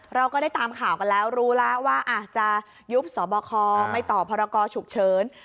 เราก็ได้ตามข่าวกันแล้วรู้แล้วว่าอาจจะยุบสบคไม่ต่อพรกรฉุกเฉิน